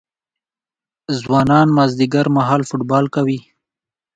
ځوانان مازدیګر مهال فوټبال کوي.